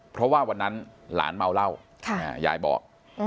เพราะว่าวันนั้นหลานเมาเหล้ายายบอก